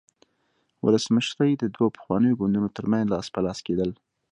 ولسمشري د دوو پخوانیو ګوندونو ترمنځ لاس په لاس کېدل.